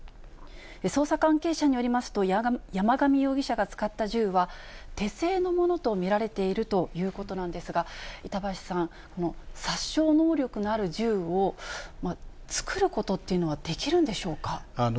捜査関係者によりますと、山上容疑者が使った銃は手製のものと見られているということなんですが、板橋さん、殺傷能力のある銃を作ることっていうのはできるんでしょうか。